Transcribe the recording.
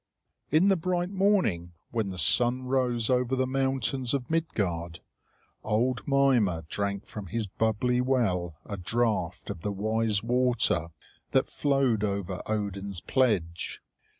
In the bright morning, when the sun rose over the mountains of Midgard, old Mimer drank from his bubbly well a draught of the wise water that flowed over Odin's pledge.